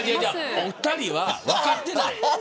お二人は分かってない。